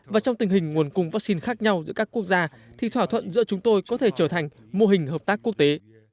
và trong tình hình nguồn cung vaccine khác nhau giữa các quốc gia thì thỏa thuận giữa chúng tôi có thể trở thành mô hình hợp tác quốc tế